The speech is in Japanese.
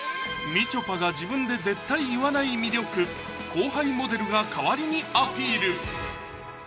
みちょぱが自分で絶対言わない魅力後輩モデルが代わりにアピール分かる！